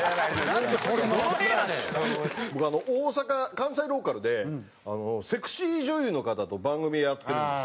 僕大阪関西ローカルでセクシー女優の方と番組やってるんですよね。